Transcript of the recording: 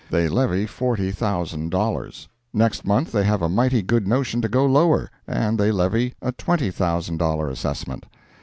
They levy forty thousand dollars. Next month they have a mighty good notion to go lower, and they levy a twenty thousand dollar assessment.